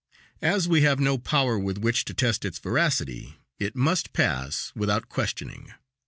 As we have no power with which to test its veracity it must pass without questioning.